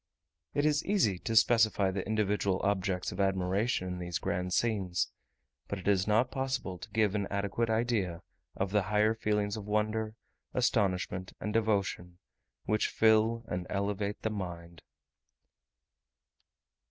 It is easy to specify the individual objects of admiration in these grand scenes; but it is not possible to give an adequate idea of the higher feelings of wonder, astonishment, and devotion, which fill and elevate the mind.